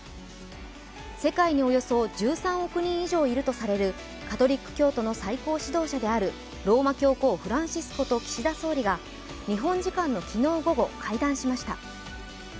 世界におよそ１３億人以上いると言われるカトリック教徒の最高指導者であるローマ教皇フランシスコと岸田総理が日本時間の昨日午後、会談しました。